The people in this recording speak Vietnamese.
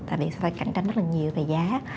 tại vì phải cạnh tranh rất là nhiều về giá